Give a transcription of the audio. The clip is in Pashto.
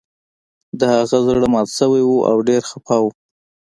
د هغه زړه مات شوی و او ډیر خفه و